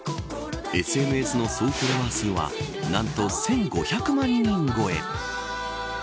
ＳＮＳの総フォロワー数は何と１５００万人超え。